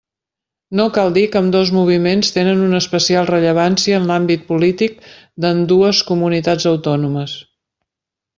No cal dir que ambdós moviments tenen una especial rellevància en l'àmbit polític d'ambdues comunitats autònomes.